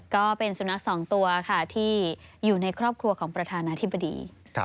ก็เป็นสุนัขสองตัวค่ะที่อยู่ในครอบครัวของประธานาธิบดี